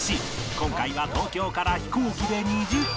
今回は東京から飛行機で２時間